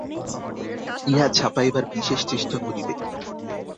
ইহা ছাপাইবার বিশেষ চেষ্টা করিবে।